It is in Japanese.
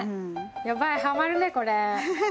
ヤバいハマるねこれ。